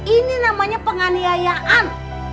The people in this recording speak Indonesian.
ini namanya penganiayaan